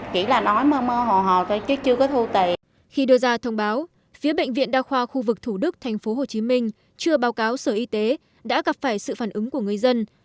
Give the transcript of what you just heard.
khi đưa ra thông báo phía bệnh viện đa khoa khu vực thủ đức tp hcm chưa báo cáo sở y tế đã gặp phải sự phản ứng của người dân